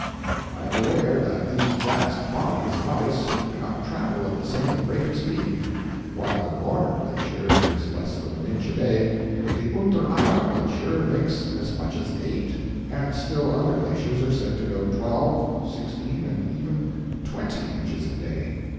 I am aware that these vast bodies of ice do not travel at the same rate of speed; while the Gorner Glacier makes less than an inch a day, the Unter Aar Glacier makes as much as eight; and still other glaciers are said to go twelve, sixteen, and even twenty inches a day.